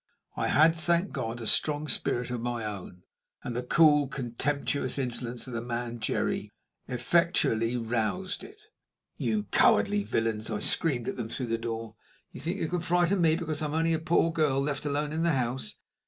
I had, thank God, a strong spirit of my own, and the cool, contemptuous insolence of the man Jerry effectually roused it. "You cowardly villains!" I screamed at them through the door. "You think you can frighten me because I am only a poor girl left alone in the house.